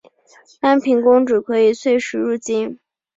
安平公主可以岁时入京。